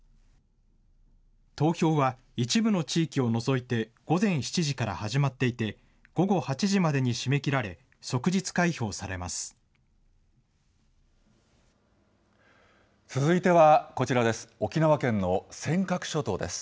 投票は一部の地域を除いて午前７時から始まっていて、午後８時までに締め切られ、即日開票されます。